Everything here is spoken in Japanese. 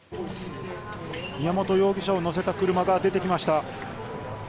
宮本容疑者を乗せた車が出てきました。